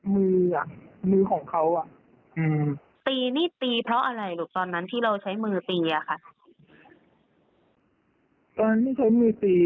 มือมือของเขาตีนี่ตีเพราะอะไรลูกตอนนั้นที่เราใช้มือตี